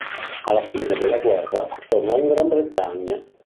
Alla fine della guerra tornò in Gran Bretagna.